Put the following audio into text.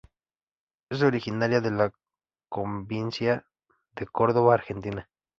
Es originaria de la Provincia de Córdoba, Argentina.